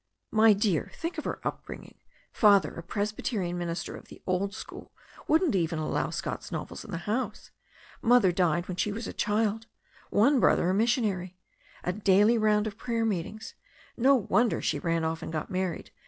"My dear, think of her upbringing. Father a Presby terian minister of the old school, wouldn't even allow Scott's novels in the house. Mother died when she was a child. One brother a missionary. A daily round of prayer meet ings. No wonder she ran off and got married.